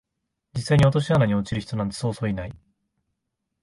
実際に落とし穴に落ちる人なんてそうそういない